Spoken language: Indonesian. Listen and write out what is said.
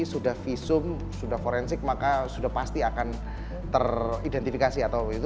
sudah visum sudah forensik maka sudah pasti akan teridentifikasi atau